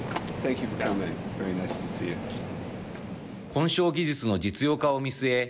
混焼技術の実用化を見据え